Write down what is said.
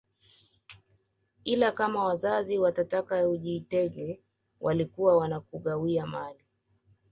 Ila kama wazazi watataka ujitenge walikuwa wanakugawia mali